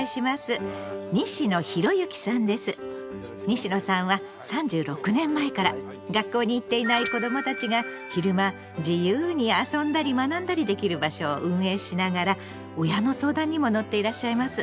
西野さんは３６年前から学校に行っていない子どもたちが昼間自由に遊んだり学んだりできる場所を運営しながら親の相談にも乗っていらっしゃいます。